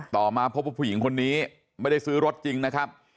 มาพบว่าผู้หญิงคนนี้ไม่ได้ซื้อรถจริงนะครับ